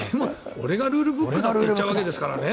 俺がルールブックだって言っちゃうわけですからね。